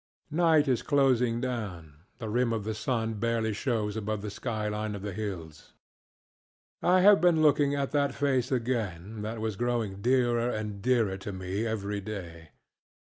Night is closing down; the rim of the sun barely shows above the sky line of the hills. I have been looking at that face again that was growing dearer and dearer to me every day.